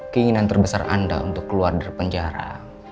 keinginan terbesar anda untuk keluar dari penjara